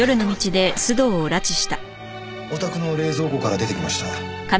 お宅の冷蔵庫から出てきました。